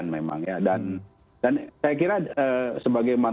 meskipun xavier tanggung